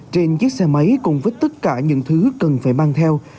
trên chiếc xe máy cùng với tất cả những thứ cần phải mang theo